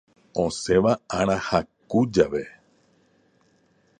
Osẽva ára haku jave.